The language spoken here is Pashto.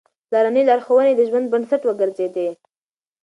پلارنۍ لارښوونې يې د ژوند بنسټ وګرځېدې.